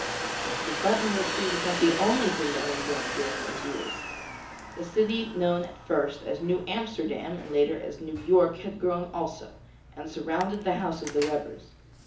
The button wood tree was not the only thing that had grown during those years. The city known at first as 'New Amsterdam,' and later as 'New York,' had grown also, and surrounded the house of the Webbers.